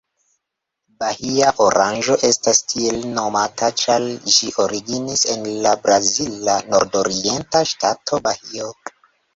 Bahia oranĝo estas tiel nomata ĉar ĝi originis en la brazila nordorienta ŝtato Bahio.